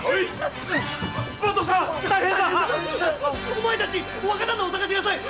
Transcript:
お前たち若旦那を捜しなさい。